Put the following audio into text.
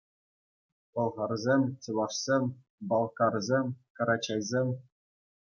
Пӑлхарсем, чӑвашсем, балкарсем, карачайсем.